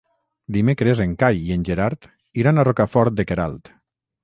Dimecres en Cai i en Gerard iran a Rocafort de Queralt.